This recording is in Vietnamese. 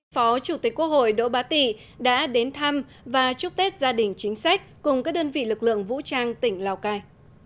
phó chủ tịch quốc hội đỗ bá tị đã đến thăm và chúc tết gia đình chính sách cùng các đơn vị lực lượng vũ trang tỉnh lào cai